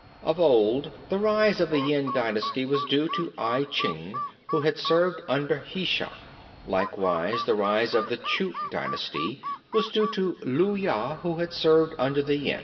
26. Of old, the rise of the Yin dynasty was due to I Chih who had served under the Hsia. Likewise, the rise of the Chou dynasty was due to Lü Ya who had served under the Yin.